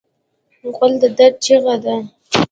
غول د درد چیغه ده.